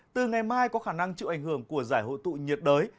từ ngày mai có khả năng chịu ảnh hưởng của giải hội tụ nhiệt đới